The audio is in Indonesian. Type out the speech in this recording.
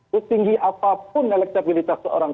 ketinggi apapun elektabilitas seorang